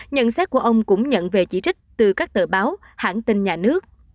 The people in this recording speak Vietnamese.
nhận xét của ông cũng nhận về chỉ trích từ các tờ báo hãng tin nhà nước